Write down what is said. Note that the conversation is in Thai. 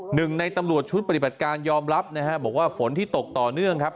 หนึ่งในตำรวจชุดปฏิบัติการยอมรับนะฮะบอกว่าฝนที่ตกต่อเนื่องครับ